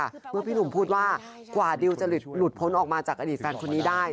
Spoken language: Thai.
เมื่อพี่หนุ่มพูดว่ากว่าดิวจะหลุดพ้นออกมาจากอดีตแฟนคนนี้ได้